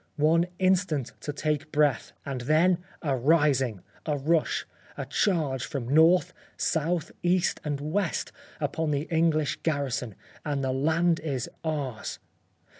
One instant to take breath, and then a rising ; a rush, a charge from north, south, east and west upon the English garrison, and the land is ours.